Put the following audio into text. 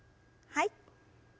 はい。